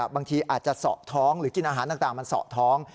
บางทีอาจจะเสาะท้องหรือกินอาหารต่างมันสอดท้อง